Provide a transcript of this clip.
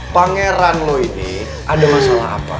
pangeran lo ini ada masalah apa